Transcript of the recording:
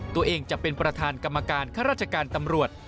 ตัวเองจะเป็นประธานกรรมการข้าราชการตำรวจ